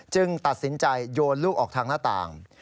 ตัดสินใจโยนลูกออกทางหน้าต่าง